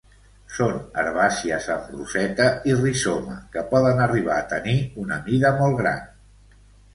Són herbàcies amb roseta i rizoma que poden arribar a tenir una mida molt gran.